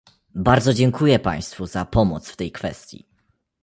Bardzo dziękuję państwu za pomoc w tej kwestii